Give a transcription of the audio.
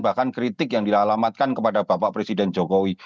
bahkan kritik yang dialamatkan kepada bapak presiden jokowi